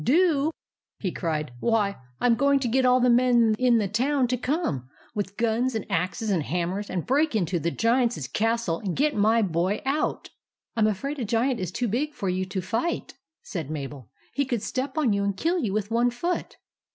" Do ?" cried he. " Why, I 'm going to get all the men in the town to come, with guns and axes and hammers, and break into the Giant's castle and get my boy out." " I 'm afraid a Giant is too big for you to fight," said Mabel. " He could step on you and kill you with one foot."